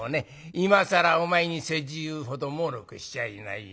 今更お前に世辞言うほどもうろくしちゃいないよ。